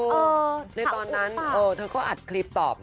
ฐานต้นเมื่อกี๊หลังบอกตอนนั้นเธอก็อัดคลิปตอบ